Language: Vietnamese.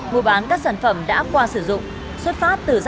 mua bán các sản phẩm đã qua sử dụng